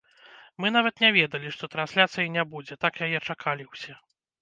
Мы нават не ведалі, што трансляцыі не будзе, так яе чакалі ўсе.